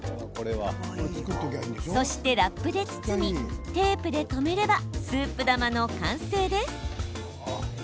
そしてラップで包み、テープで留めれば、スープ玉の完成です。